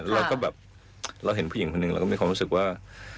เราก็แบบเราเห็นผู้หญิงคนหนึ่งเราก็มีความรู้สึกว่า